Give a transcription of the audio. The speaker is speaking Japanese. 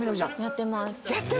やってます。